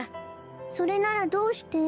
それならどうして？